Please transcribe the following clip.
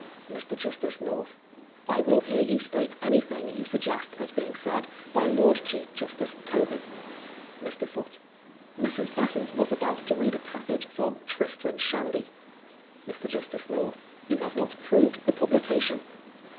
72 PEISONER FOR BLASPHEMY. Mr. Justice North : I will hear you state anything yort suggest as being said by Lord Chief Justice Gockbum. Mr. Foote : Mrs. Besant was about to read a passage from * Tristram Shandy ' Mr. Justice North : You have not proved the publication.